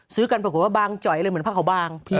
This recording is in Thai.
ซื้อกันบางส่วนหนักจ๋อยเหมือนภาคขาวบาง